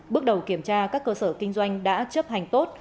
bước đầu kiểm tra các cơ sở kinh doanh đã chấp hành tốt